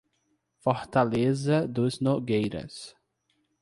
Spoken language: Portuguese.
Fortaleza dos Nogueiras